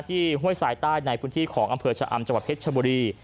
ห้วยสายใต้ในพื้นที่ของอำเภอชะอำจังหวัดเพชรชบุรี